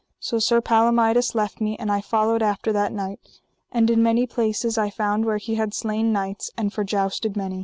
So Sir Palomides left me, and I followed after that knight; and in many places I found where he had slain knights, and forjousted many.